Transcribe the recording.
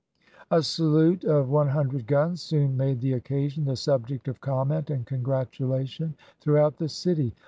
A salute of one hundred guns soon made the occasion the subject of comment and congratula tion throughout the city.